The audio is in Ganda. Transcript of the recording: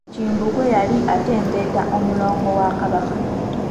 Kimbugwe yali atembeeta omulongo wa kabaka.